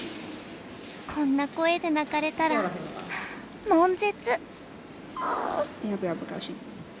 こんな声で鳴かれたら悶絶！